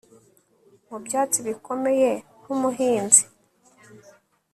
mu byatsi bikomeye nkumuhinzi